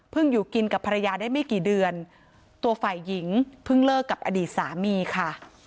อยู่กินกับภรรยาได้ไม่กี่เดือนตัวฝ่ายหญิงเพิ่งเลิกกับอดีตสามีค่ะ